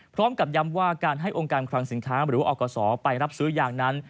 พร้อมกับย้ำว่าการให้องค์การคลังสินค้าหรือว่าอกศไปรับซื้อยางนั้น